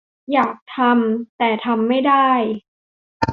อยากทำ แต่ทำไม่ได้